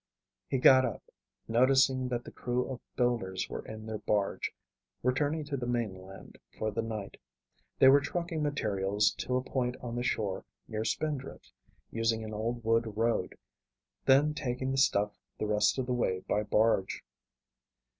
He got up, noticing that the crew of builders were in their barge, returning to the mainland for the night. They were trucking materials to a point on the shore near Spindrift, using an old wood road, then taking the stuff the rest of the way by barge.